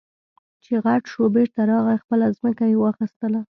چې غټ شو بېرته راغی خپله ځمکه يې واخېستله.